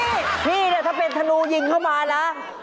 นี่พี่เนี่ยถ้าเป็นธนูยิงเข้ามานะ